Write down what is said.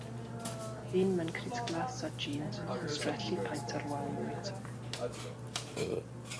Dyn mewn crys glas a jîns yn chwistrellu paent ar wal lwyd.